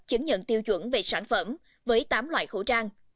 chứng nhận tiêu chuẩn về sản phẩm với tám loại khẩu trang